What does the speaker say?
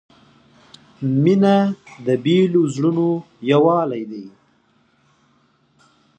• مینه د بېلو زړونو یووالی دی.